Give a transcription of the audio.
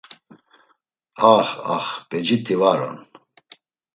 Ax ax, becit̆i var on.